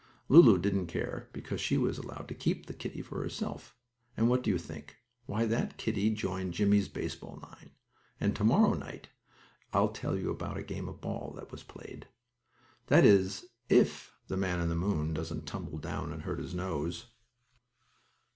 Lulu didn't care, because she was allowed to keep the kittie for herself, and what do you think? Why that kittie joined Jimmie's baseball nine, and to morrow night I'll tell you about a game of ball that was played. That is if the man in the moon doesn't tumble down and hurt his nose.